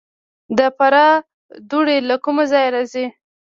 د فراه دوړې له کوم ځای راځي؟